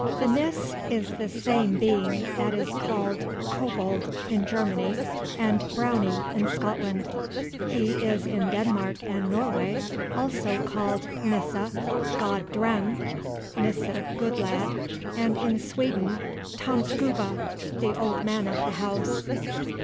The Nis is the same being that is called Kobold in Germany, and Brownie in Scotland. He is in Denmark and Norway also called Nisse god Dreng (Nissè good lad), and in Sweden, Tomtegubbe (the old man of the house).